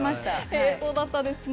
最高だったですね。